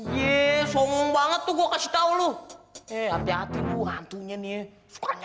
iye sombong banget tuh gua kasih tahu lo hati hati lu hantunya nih sukanya